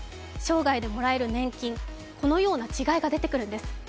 生涯でもらえる年金、このような違いが出てくるんです。